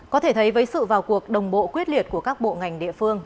có thể thấy với sự vào cuộc đồng bộ quyết liệt của các bộ ngành địa phương